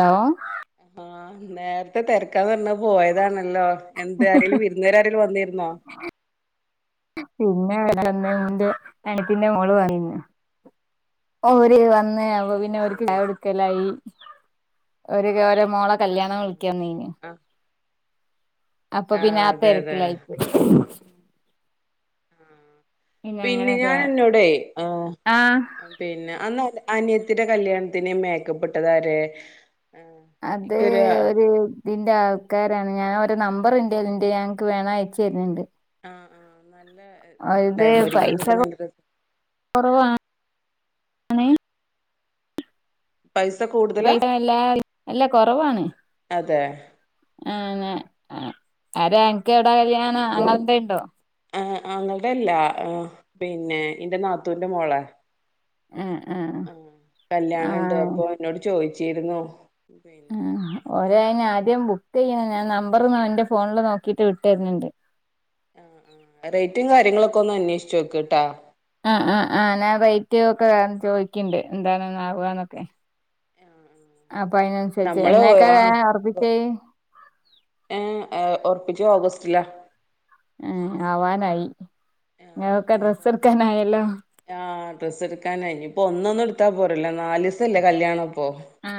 Law. ആ നേരത്തെ തെരക്കാന്ന് പറഞ്ഞ് പോയതാണല്ലോ എന്താരേലും വിരുന്നാരാരേലും വന്നിരു ന പിന്നെ വന്നണ്ട് അണുപ്പിന്റെ മോള് വാ [unintelligible] ഓ ഓര് വന്നെ അപ്പ അയ് പിന്നവര്ക്ക് ശരി ചായ കൊടുക്കലായ് മോളെ കല്യാണം ആഹ് വിളിക്കാന്നിഞ്ഞു ആഹ് അപ്പൊ ആഹ് പിന്നെ ആ അതെ അതെ തിരക്കിലായിപ്പോയി ആ പിന്നെ ഞനന്നോടെ ആ ആ പിന്നെ അന്നല്ല അനിയത്തിടെ കല്യാണത്തിന് മേക്കപ്പിട്ടതര് അതെ ഒരു ദി ആൾക്കാരാണ് ഞാൻ ഒരു നമ്പറെന്റേല്ണ്ട് ഞങ്ങക്ക് വേണം അയച്ചു തരുന്നുണ്ട് ആ ആനല്ല ഇത് ഇത്ണ്ടായിരുന്നു പൈസ ഒരുങ്ങിതൊക്കെ നല്ല രസ അനെ പൈസ കൂടുതലാ എല്ലാ അല്ല കുറവാണ് അതെ അനെ ആരാ എനക്ക് എവിടാ കല്യാനോ അങ്ങനെന്തെ ഉണ്ടോ ആ അങ്ങൾടെ അല്ല ആ പിന്നെ ഇന്റെ നാത്തൂന്റെ മോളെ ആ ആ ആ കല്യാണംണ്ട് ആ അപ്പൊ എന്നോട് ചോയിച്ചിരുന്നു ആഹ് ആദ്യം ബുക്ക് ചെയ്യാ ഞാൻ നമ്പർ എന്റെ ഫോണിൽ നോക്കിട്ട് വിട്ടര്ണണ്ട് റേറ്റും കാര്യങ്ങളൊക്കെ ഒന്ന് അന്വേഷിച്ചു നോക്ക്ട്ടാ ആ ആ ആ്ഞാൻ റേറ്റ് ഒക്കെ ചോദിക്കണ്ട് എന്താണന്ന ആകന്നൊക്കെ അപ്പൊ അതിനനുസരിച്ച് നമ്മള് എന്നൊക്കെ ആഹ് ഉറപ്പിച്ചേ ഏഹ് ഒറപ്പിച്ച് ഓഗസ്റ്റിലാ ആ ആവാനായി ഇങ്ങക്കൊക്കെ ഡ്രസ്സ് എടുക്കാനായല്ലോ ആ ഡ്രസ് എടുക്കാന ഇനിപ്പോ ഒന്നൊന്നു ട പോറല്ലോ നാലിസല്ലേ കല്യാണപ്പോ ആ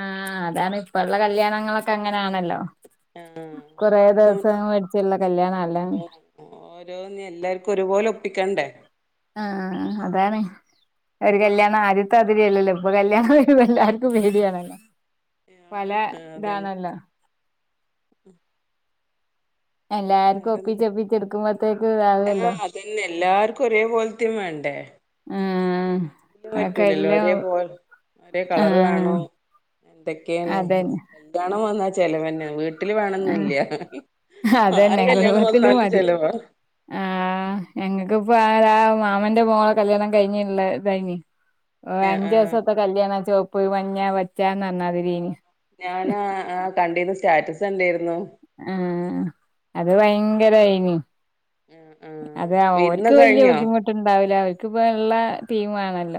അതാണ് ഇപ്പള്ള കല്യാണങ്ങളൊക്കെ അങ്ങനാണല്ലോ കുറേ ദിവസം മേടിച്ചില്ല ക ഓ ഓ ഓരോന്ന എല്ലാർക്കും ഒരുപോലെ ഒപ്പിക്കണ്ടേ ആ അതാണ് ഒരു ഉം ഉം കല്യാണം ആദ്യത്തെ ല്ലല്ലോ ഇപ്പ കല്യാണംമ്പോ എല്ലാർക്കും പേടിയാണല്ലോ പല ആഹ് അതന്നെ ഇതാണല്ലോ [inaudible] എല്ലാർക്കും വേറെന്ത് ഒപ്പിച്ചൊപ്പിച്ചെടുക്കുമ്പോത്തേക്ക് ഇതാവുല്ലോ ആഹ് അതന്നെ എല്ലാർക്കും ഒരേ പോലത്തെയും വേണ്ടേ ആഹ് ഏതെങ്കിലും അതൊക്കെ പറ്റൂലല്ലോ എല്ലാം ഒരേ പോല ഒരേ കളർ ആഹ് വേണം എന്തൊക്കെയാണ് അതന്നെ [unintelligible] ണം വന്നാ ചെലവന്നെ വീട്ടില് ആഹ് വേണംന്നില്ല ആരെ അതന്നെ കല്യാണം ഗുടുംബത്തിലും വന്നാലും മതി ചെലവാ ആ ഞ ഇപ്പോ ആ മാമന്റെ മോളെ കല്യാണം കഴിഞ്ഞിള്ള കഴിഞ്ഞ് ഓ ആഹ് അഞ്ച് ദിവസത്തെ കല്യാണ ചൊവപ്പ് മഞ്ഞ പച്ച ച്ചാ നന്നാതിരിനി കണ്ടിരു സ്റ്റാറ്റസ് കണ്ടിരുന്നു ആ അത് ഭയങ്കരായിനി ആഹ് ആഹ് അതെ അവർക്ക് വിരുന്നൊക്കെ വല്യ കഴിഞ്ഞോ ബുദ്ധിമുട്ടുണ്ടാവില്ല അവർക്കിപ്പോ ഉള്ള ടീമാ നല്ല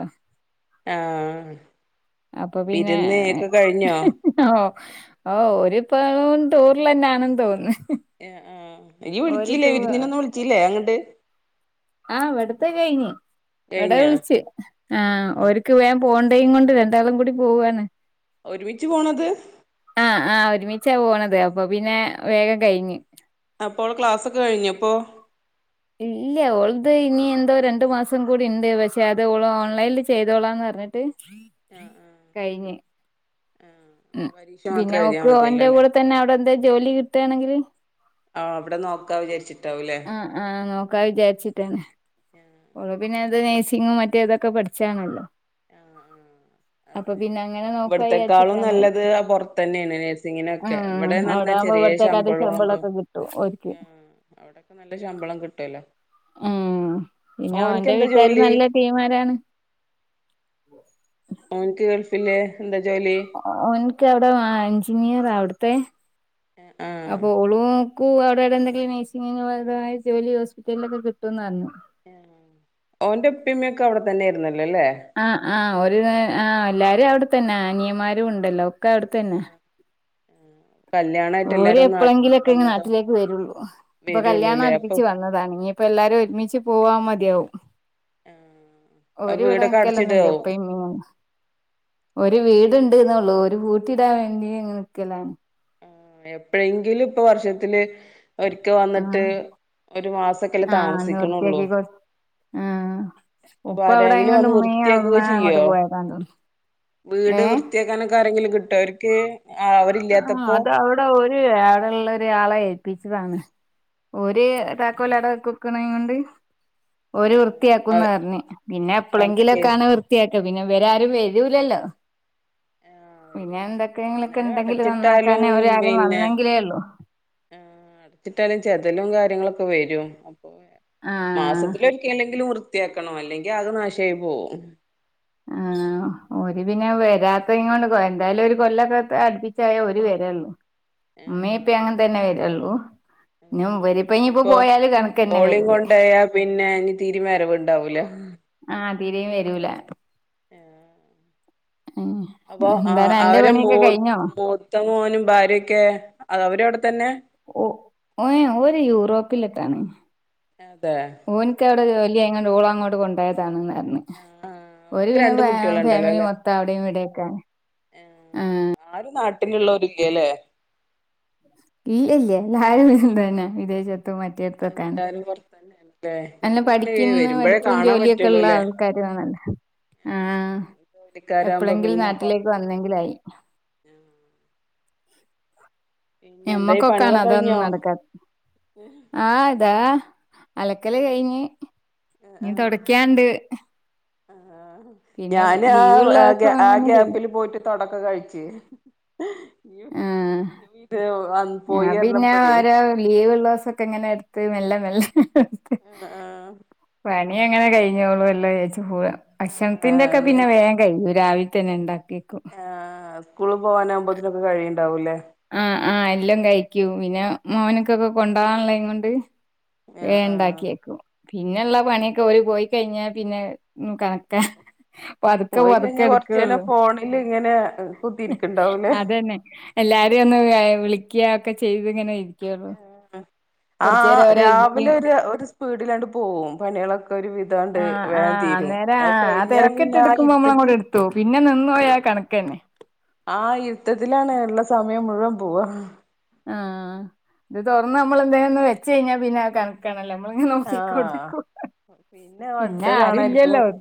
ആ അപ്പൊ പിന്നെ ഓ ഹ ഓരിപ്പോ ടൂറിലന്നാണെന്ന് തോന്ന്ന്ന് ആ ആഹ ഇനി വിളിച്ചില്ലേ വിരുന്നിനൊന്നും വിളിച്ചില്ലേ അങ്ങട്ട് ആ ഇവിടത്തെ കഴിഞ്ഞ് ഇവട കഴിഞ്ഞാ വിളിച്ച് ആ ഓര്ക്ക് വേ പോണ്ടയും കൊണ്ട് രണ്ടാളും കൂടി പോവാണ് ഒരുമിച്ച് പോണത് ആ ആ ഒരുമിച്ചാ പോണത് അപ്പൊ പിന്നെ വേഗം കഴിഞ്ഞ്. അപ്പോൾ ക്ലാസ്സൊക്കെ കഴിഞ്ഞോപ്പോ. ഇല്ല്യ ഓൾത് ഇനി എന്തോ രണ്ടു മാസം കൂടി ഇണ്ട് പക്ഷെ അത് ഓള് ഓൺലൈനിൽ ചെയ്തോളാംന്ന് പറഞ്ഞിട്ട് ആഹ് ആഹ് കഴിഞ്ഞ്. ഉ ആഹ് പരീക്ഷ പിന്നെ മാത്രം എഴുതിയാ ഓക്ക് മതിയല്ലോ ഓന്റെ അല്ലേ കൂടെ തന്നെ അവിടെ എന്തേൽ ജോലി കിട്ടുകാണെങ്കില് ആഹ് അവിടെ നോക്കാ വിചാരിച്ചിട്ടാവൂല്ലേ ആ ആ നോക്കാ വിചാരിച്ചിട്ടന്നെ. ആഹ് പ്പ പിന്നെ അത് നേഴ്സിങ്ങും മറ്റേ ഇതൊക്കെ പഠിച്ചാണല്ലോ. ആ ആ അപ്പൊ അതെ പിന്നെ അങ്ങനെ നോക്കാ ഇവിടുത്തെക്കാളും വിചാരിച്ചിട്ടാണ് നല്ലത് പൊറത്തന്നെയാണ് നഴസിങ്ങിനൊക്കെ ഇവിടെന്ന്റഞ്ഞ താമ്പോ ഇവിടത്തേക്കാട്ടി ശമ്പളൊക്കെ കിട്ടും ഓരിക്ക്. ആഹ് അവിടൊക്കെ നല്ല ശമ്പളം കിട്ടുവല്ലോ. ഉം പിന്നെ ഓൻക്ക് ഓന്റെ എന്താ വീട്ടുകാര് ജോലി നല്ല ടീമാരാണ്. ഓനിക്ക് ഗൾഫില് എന്താ ജോലി? ക്ക അവിടെ വാ എഞ്ചിനീയറാ അവിടത്തെ ആഹ് അപ്പൊ ഓളും കു അവിടെവിടെ എന്തെങ്കിലും നഴ്സിങ്ങിനുള്ളതായ ജോലി ഹോസ്പിറ്റലിലൊക്കെ കിട്ട്വന്ന് പറഞ്ഞു ഓന്റെ ഉപ്പിമ്മയൊക്കെ അവിടെ തന്നെയായിരുന്ന്. ആ ആ ഓര് ആ എല്ലാരും അവിടെത്തന്നെ, അനിയൻമാരും ഉണ്ടല്ലോ ഒക്കെ അവിടെത്തന്നെ കല്യാണായിട്ട് ഓര് എല്ലാരും നാ എപ്പളെങ്കിലും ഒക്കെ ഇങ്ങു വന്നതോ നാട്ടിലേക്ക് വരുള്ളൂ, ഇപ്പൊ കല്യാണം വരുള്ളൂല്ലേ അപ്പൊ അടുപ്പിച്ച് വന്നതാണ്, ഇനിയിപ്പോ എല്ലാരും കൂടെ ഒരുമിച്ച് പോവാ മതിയാവും. ആഹ് ഓരിവിടെ വീടൊക്കെ ക്കലൊന്നുവില്ലേ അടച്ചിടാവും ഉപ്പയും ഉമ്മയുമൊന്നും? ഒരു വീടുണ്ട് എന്നള്ളു ഓരു പൂട്ടി ഇടാൻ വേണ്ടി അങ്ങന നിക്കലാണ്. എപ്പഴെങ്കിലും ഇപ്പൊ വർഷത്തില് ഒരിക്ക ആഹ് വന്നിട്ട് ഒരു മാസൊക്കെല്ലേ ആഹ് താമസിക്കണൊള്ളൂ. നിവൃത്തിയാക്കി കൊടു ആഹ് അപ്പോ ഉപ്പ അവിടെ ആരെങ്കിലും എങ്ങാണ്ട് വന്ന് ഉമ്മയും അമ്മ വൃത്തിയാക്കുവൊക്കെ അങ്ങോട്ട് ചെയ്യോ? പോയതാന്ന് തോന്നുന്നു വീട് ഏ വൃത്തിയാക്കാനൊക്കെ ആരേങ്കിലും കിട്ട്വോ അവർക്ക്, അവരില്ല്യാത്തപ്പോ? അതവര് അവിടൊള്ളൊരാളെ ഏൽപ്പിച്ചതാണ് ഓര് താക്കോലാടെ വെക്കും. ക്കണേകൊണ്ട് ഓരു വൃത്തിയാക്കുന്നാ ആഹ് പറഞ്ഞെ പിന്നെ വന്ന് ചെയ്ത് എപ്പളെങ്കിലൊക്കാണ് വൃത്തിയാ പിന്നെ ഇവരാരും വരൂലല്ലോ. ആഹ് പിന്നെ വരൂല്ലേ എന്തൊക്കെങ്ങള്ക്ക്‌ എന്നാലും എണ്ടെങ്കില് അടച്ചിട്ടാലും നന്നാക്കാനേ അവരാരും പിന്നെ വന്നെങ്കിലേ ഉള്ളൂ. ന്തേലും കാര്യങ്ങളൊക്കെ വരും ആ മാസത്തിലൊരിക്കലെങ്കിലും വൃ ത്തിയാക്കണം അല്ലെങ്കി ആകെ നാശായി പോകും. ആ ഓരു പിന്നെ വരാത്തെങ്കൊണ്ട് എന്തായാലും ഒരു കൊല്ലൊക്കെ അടുപ്പിച്ചായ ഓരു വരും. ള്ളു ഉമ്മ ഇപ്പ ആഹ് അതെ അങ്ങനെ തന്നെ വരുള്ളൂ ഇവരിപ്പോ ഇനിയിപ്പ പോയാല് ക ഓളേം കൊണ്ടയാ പിന്നെ ഇനി തീരേം വരവുണ്ടാവൂല. തീരേം വരൂല. ആ ഉം അപ്പൊ ആ എന്താണ് അന്റെ അവര് മൂ പണിയൊക്കെ കഴിഞ്ഞോ മൂത്ത മോനും ഭാര്യൊക്ക ക്കെ അ അവരവിടെത്തന്നെയാ? ഓ ഓൻ ഓര് യൂറോപ്പിലൊക്ക്യാണ് അതെ ഓനിക്കവിടെ ജോ ലിയായെകൊണ്ടിവളെ അങ്ങോട്ട് കൊണ്ടോയതാണ്ന്ന് ന്ന്. ആ ആ ഓരു ഓൾക്ക് പിന്നെ രണ്ട് കുട്ടികളുണ്ടല്ലോ ഫാമിലി മൊത്തം അവിടെയും ഇവിടെയൊക്കാണ്. ആ ആരും നാട്ടിലുള്ളവരില്ല്യല്ലേ? ഇല്ലില്ല്യ എല്ലാരും അത് തന്നേ വിദേശത്തും മറ്റേടുത്വക്കാണ്. തന്നെയാണ്. നല്ല പഠിക്കുന്ന പഠിപ്പും ജോലീയൊക്കെ ഉള്ള പറ്റുള്ളൂല്ലേ ആൾക്കാരുവാണ്. ആ ജോലിക്കാരാവുമ്പോ എപ്പളെങ്കിലും പിന്നെപ്പോ നാട്ടിലേക്ക് വന്നെങ്കിലായി. പിന്നെ എന്തായി നമ്മക്കൊക്കാണ് പണികളൊക്കെ അതൊന്നും കഴിഞ്ഞോ നടക്കാത്തെ ആ ദാ, അലക്കല് ഉം കഴിഞ്ഞ് ആ ഇനി ആ തൊടക്കാൻണ്ട്. ആഹ് ഞാന് ആ ദിവസം ആഹ് അങ്ങനെ ചെയ്യും ഗ്യാപ്പില് പോയിട്ട് തുടക്ക കഴിച്ച്, യ്യോ [inaudible] ആ പിന്നെ ഓരോ ലീവ്ള്ളൊസൊക്കങ്ങനെ എടുത്ത് മെല്ലെ മെല്ലെ ആഹ് [inaudible] പണിയ അങ്ങനെ കഴിഞ്ഞോളും ല്ലേ ചോറ് ആഹ് ഭക്ഷണത്തിന്റെ ആഹ് ഒക്കെ അതെ പിന്നെ വേഗം കഴിയും, രാവിലത്തന്നെ അങ്ങ് ഇണ്ടാക്കിയക്കും. സ്കൂളിൽ പോകാനാകുമ്പോതിനൊക്കെ കഴിയിണ്ടാവില്ലേ ആഹ് ആഹ്, എല്ലം കഴിക്കും. പിന്നെ മോന്ക്കൊക്കെ കൊണ്ടവാന്ള്ളത് കൊണ്ട് ആഹ് വേഗം ആഹ് ഇണ്ടാക്കിയേക്കും. പിന്നല്ല ആഹ് പണിയൊക്കെ ഒരു പോയി കഴിഞ്ഞ പിന്നെ ഹ്മ്മ് കണക്കാ പതുക്കെ പോയി പതുക്കെ കഴിഞ്ഞാ കൊറച്ചേരം എടുക്കൊള്ളു, ഫോണില് ഇങ്ങനെ കുത്തിരിക്ക്ണ്ടാവൂലേ അതന്നെ എല്ലാരും ഏഹ് വിളിക്യാ ഒക്കെ ചെയ്ത് ഇങ്ങനെ ഇരിക്കുകയുള്ളൂ ആഹ്, കുറച്ചു നേരം ആഹ് ഓരോ ഇരിക്കും രാവിലെ ഒര് ഒരു സ്പീഡിലാണ്ട് പോകും പണിയളൊ ആഹ് ആഹ് അന്നേര അത് ആഹ് ആ കഴിഞ്ഞാ തെരക്ക്‌ട്ട് പിന്നെ ആ എടുക്കുമ്പോ ഇരുട്ടത്തിൽ നമ്മളങ്ങട്ടെടുതോവും പിന്നെ നിന്ന് ന്നൊയാ കണക്കന്നെ ആഹ് യുദ്ധത്തിലാണ് ഇള്ള സമയം മുഴുവൻ പോവാ ആഹ്, ഇത് തുറന്ന് നമ്മളെന്തേലൊന്ന് വെച്ചഴിഞ്ഞാൽ പിന്നെ അത് കണക്കണല്ലോ നമ്മളങ്ങനെ ആഹ് നോക്കിക്കൊണ്ടിരിക്കും. പിന്നെ അടുത്ത ആരുല്ലല്ലോ കാണായിരിക്കും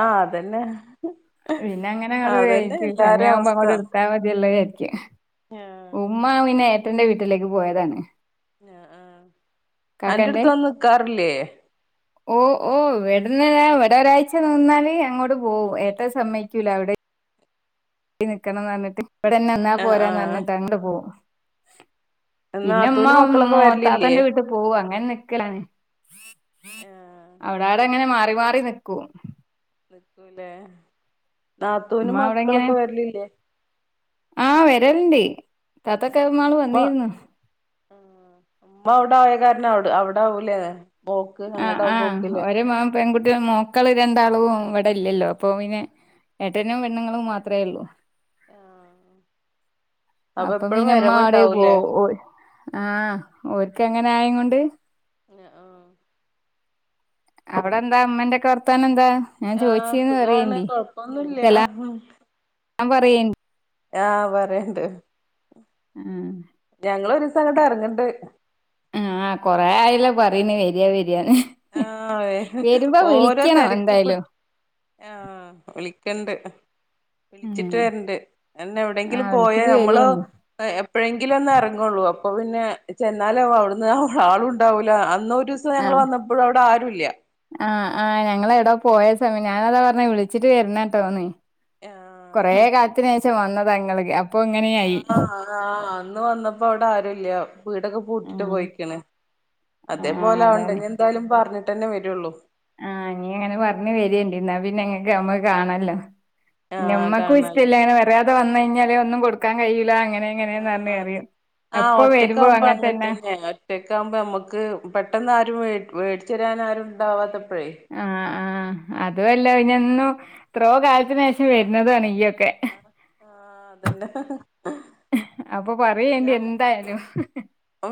ആഹ് അതന്നെ പിന്നെ അങ്ങനങ്ങട്ട് അതന്നെ എണീക്കും, എല്ലാരും അവസ്ഥ സമയാവുമ്പോങ്ങട്ട് എടുത്താൽ മതിയല്ലോ വിചാരിക്ക. ആഹ് ഉമ്മ പിന്നെ ഏട്ടന്റെ വീട്ടിലേക്ക് പോയതാണ്. ആഹ് ആഹ്, അന്റെടുത്ത് വന്ന് നിൽക്കാറില്ലേ? ഓഹ് ഓ ഇവട്ന്നൊര ഇവടെ ഒരാഴ്ച്ച നിന്നാല് അങ്ങോട്ട് പോകും ഏ ഏട്ടൻ സമ്മയ്ക്കൂല അവിടെ അവിടിം നിക്കണംന്ന് പറഞ്ഞിട്ട്. ഇവിടെന്നെ നിന്നാ ആഹ് പോരാന്ന് പറഞ്ഞിട്ട് ആഹ് അങ്ങട്ട് പോകും. പിന്നെ ഉമ്മ നാത്തൂനും മ് മക്കളൊക്കെ വരലില്ലേ മൂതാപ്പന്റെ വീട്ടില് പോവും അങ്ങനെ നിക്കലാണ്. ആഹ് ല്ലാരൊടെ അങ്ങനെ മാറി മാറി നിക്കും. നിക്കും ല്ലേ നാത്തൂന് ഉമ്മ അവിടെ ഇങ്ങനെ മക്കളൊക്കെ വരലില്ലേ? താത്തക്കെ ആഹ് ന്നാള് ഉമ്മ വന്നിരുന്നു. മ്മ പോയ കാരണം അവ് അവിടാവു ലെ ആഹ് ആഹ് ഒര് മക പെൺകുട്ടികൾ മക്കള് രണ്ടാളും ഇവിടെ ഇല്ലല്ലോ, അപ്പൊ പിന്നെ ഏട്ടനും പെണ്ണുങ്ങളും മാത്രമേ ഉള്ളൂ. ആഹ് അപ്പൊ പിന്നെമ്മ ആടെ വരവുണ്ടാവൂലേ പോവും, ആഹ് ഓര് ഒക്കെ അങ്ങനെ ആയ്കൊണ്ട് ഏഹ് ആഹ് അവിടെ എന്താ അമ്മന്റെക്കെ വർത്തനം എന്താ? ഞാൻ ആഹ് ചോദിച്ചീന്ന് സുഖാണ് പറയേണ്ടി കൊഴപ്പൊന്നുല്ലാ, ഹ [unintelligible] പറയ് ആഹ് പറയണ്ട്. ആഹ്, ഞങ്ങളൊരീസം അങ്ങട്ട് എറങ്ങണ്ട് ആഹ് ആഹ് കൊറേ ആയല്ലോ പറിന് വരിയാ വ ആഹ് അതെ ഓരോ വിളിക്കണം തിരക്കി പെട്ട്, എന്തായാലും ആഹ് വിള ക്കണ്ട്. വിളിച്ചിട്ട് ഉം വരണ്ട്, അതന്നെ ആ എവിടെങ്കിലും പോയ വിളിച്ചിട്ട് നമ്മള് വരേണ്ടി എപ്പഴെങ്കിലും ഒന്ന് എറങ്ങൊള്ളൂ അപ്പൊ പിന്നെ ചെന്നാല് അവിടുന്ന് അവിടെ ആളുണ്ടാവൂല്ല. അന്നൊരൂസം ആ ഞങ്ങള് വന്ന വ്ടെ ആരുല്ല. ആഹ്, ആഹ് ഞങ്ങളെടോ പോയ സമയം, ഞാനതാ പറഞ്ഞെ വിളിച്ചിട്ട് വരണട്ടോ ന്ന് ആഹ് കുറേക്കാലത്തിനുശേഷം വന്നതാണ് ഇങ്ങള് അടുത്തേക്ക് ആ ആഹ് അന്ന് വന്നപ്പോ അവിടെ ആരും ഇല്ല വീടൊക്കെ പൂട്ടിട്ട് ആഹ് പോയിക്കണ് ആഹ് അതേപോലെ ആവണ്ട അതാണ് ഇനി എന്തായാലും പറഞ്ഞിട്ട് തന്നെ വരുള്ളൂ ആഹ് ഇനീ അങ്ങനെ പറഞ്ഞ് വരേണ്ടീ എന്നാ പിന്നെ എങ്ങക്ക് നമ്മക്ക് കാണാല്ലോ പിന്നെ ആഹ് ഞമ്മക്കും കാണാലോ ഇഷ്ടവില്ല അങ്ങനെ പറയാതെ വന്ന് കഴിഞ്ഞാല് ഒന്നും കൊടുക്കാൻ കഴിയൂല്ല അങ്ങ എങ്ങനെയാണെന്ന് ആഹ് വരുന്നേ അതെ അറിയാം ആഹ് ഒറ്റക്ക്‌ ആവുമ്പോ അങ്ങനെ തന്നെയാ ഒറ്റക്ക്‌ ആവുമ്പോ നമ്മുക്ക് പെട്ടെന്ന് ആരും വീ വീ വരാൻ ആരുണ്ടാവാത്തെ ആഹ് ആഹ് അതുമല്ല ഇനിയെന്നു എത്രയോ കാലത്തിന് ശേഷം വരുന്നതാണ് ഈ ആഹ് ആഹ് അതന്നെ അപ്പൊ പറയേണ്ടി ആ എന്തായാലും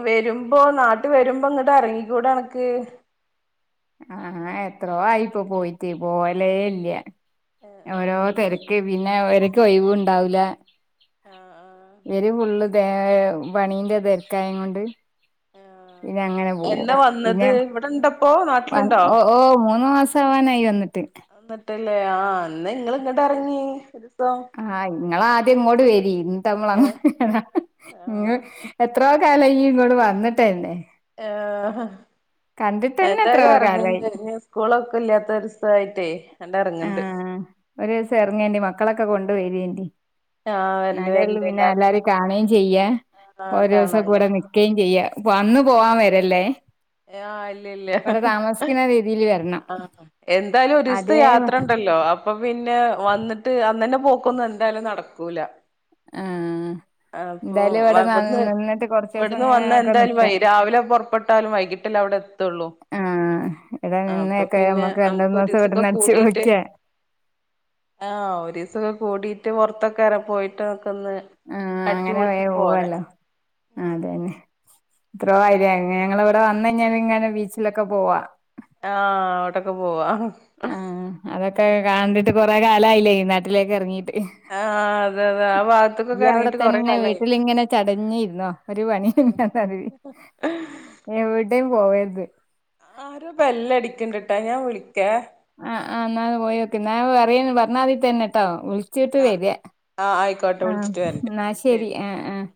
വരുമ്പോ നാട്ടി വരുമ്പോ ഇങ്ങ ഇങ്ങോട്ട് ഇറങ്ങിക്കൂടേ നിനക്ക് ആഹ് എത്രോ ആയിപ്പൊ പോയിട്ട് പോവലേ ഇല്ല ആഹ് ഓരോ തിര ക്ക്‌ പിന്നെ ഇവർക്ക് ഒഴിവ് ഉണ്ടാവില്ല ആഹ് ആഹ് ഇവര് ഫുള്ള് തി ക്ക്‌ പണീന്റെ തിരക്കായം കൊണ്ട് ആഹ് ആഹ് പിന്നെ അങ്ങനെ പോകും എന്നാ പിന്നെ വന്നത് ഇവിടെണ്ടപ്പോ നാട്ടിലുണ്ടോ ഓ ഓ മൂന്ന് മാസ് സാവാനായി വന്നി എന്നിട്ടല്ലേ ആഹ് എന്ന നിങ്ങള് ഇങ്ങോട്ട് ഇറങ്ങി ആഹ് ഇങ്ങള് ആദ്യം ഇങ്ങോട്ട് വരീ എന്നിട്ട് ഞമ്മള് ഏഹ് അങ്ങോട്ട് ഇറങ്ങാം ഇങ്ങള് ആഹ് എത്ര കാലായി ഇയ്യ് ഇങ്ങോട് വന്നിട്ട് തന്നെ ആഹ് കണ്ടിട്ടന്നെ എന്തായാലും എത്രയോ കാലായി ഇറങ്ങൊണ്ട് ഇനി സ്കൂളൊക്കെ ഇല്ലാത്ത ഒര് [unintelligible] ആയിട്ടേ എണ്ട് ഇറങ്ങുണ്ട് ഇറങ്ങേന്റെ മക്കളൊക്കെ കൊണ്ട് വരേന്റി ആഹ് വരണ്ട് അതേയുള്ളു വരണ്ട് പിന്നെ എല്ലാർക്കും എല്ലാരെയും കാണുകയും ചെയ്യാം ആഹ് ഒരു ദിവസം ഒക്കെ കാണാല്ലോ ഇവിടെ നിക്കേം ചെയ്യാം വന്ന് പോവാൻ വരല്ലേ ആഹ് ഇല്ലില്ല ഇവിടെ താമസിക്കുന്ന രീതിയിൽ വരണം ആഹ് എന്തായാലും ഒരു ദിവസത്തെ അതേ യാത്ര ഉ ണ്ടല്ലോ അപ്പൊ പിന്നെ വന്നിട്ട് അന്ന് തന്നെ പോക്കൊന്നും എന്തായാലും നടക്കൂല ആഹ് അപ്പൊ എന്തായാലും ഇവിടെ ഇവിടുന്ന് നിന്നിട്ട് കൊറച്ച് ദിവസം ഇവിടുന്ന് ഇങ്ങനെ വന്ന് ഒക്കെ എന്തായാലും വൈ നിക്കാം രാവിലെ പൊറപ്പെട്ടാലും വൈകി ട്ടില് അവിടെ എത്തുള്ളൂ ആഹ് ഇവിടെ ആഹ് നിന്ന് അപ്പൊ ഒക്കെ പിന്നെ നമ്മക്ക് രണ്ട് നമുക്ക് മൂന്ന് ഒരു ദിവസം ദിവസൊക്കെ ഇവിടെന്ന് അടിച്ച് കൂടിട്ട് പൊളിക്കാം ആഹ് ഒരീസം ഒക്കെ കൂടിട്ട് പൊറത്തൊക്കെ അര് പോയിട്ട് നമുക്കൊന്ന് ആഹ് അങ്ങനെ വേഗം പോവാല്ലോ ആഹ് അത് ഉം തന്നെ ഇത്രോം ആയില്ലേ ഇനി ഞങ്ങള് ഇവിടെ വന്ന് കഴിഞ്ഞാൽ പിന്നെ ബീച്ചിലൊക്കെ പോവാം ആഹ് അങ്ങോട്ടൊക്കെ പോവാം ആഹ് അതൊക്കെ കണിട്ട് കൊറെ കാലമായില്ലേ ഈ നാട്ടിലേക്ക് ഇറങ്ങീട്ട് ആഹ് അതെ അതെ ആ നീ ഭാഗത്ത്ക്കൊക്കെ അവിടെ എറങ്ങിട്ട് കൊറെ തന്നെ കാലായി വീട്ടിലിങ്ങനെ ചടഞ്ഞിരുന്നോ ഒരു പണി [unintelligible] എവിടേയും പോവരുത് ആരോ ബെല്ല് അടിക്കണ്ടിട്ടാ ഞാൻ വിളിക്കാം ആഹ് ആഹ് എന്നാല് പോയി നോക്ക് ഞാൻ അറിയന്ന് പറഞ്ഞാൽമതി തന്നെട്ടോ വിളി ച്ചിട്ട് ആഹ് വരിക ആഹ് ആയിക്കോട്ടെ ആഹ് വിളിച്ചിട്ട് വരണ്ട് എന്നാ ഉം ശരി ആഹ് ആഹ്